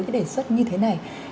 cái đề xuất như thế này